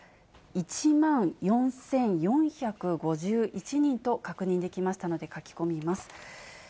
１万４４５１人と確認できましたので書き込みます。